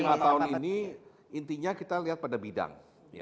lima tahun ini intinya kita lihat pada bidang